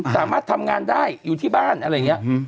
สามารถทำงานได้อยู่ที่บ้านอะไรอย่างนี้